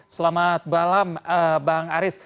selamat malam bang aris